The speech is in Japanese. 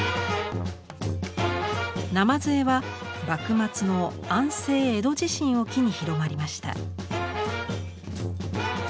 「鯰絵」は幕末の「安政江戸地震」を機に広まりました。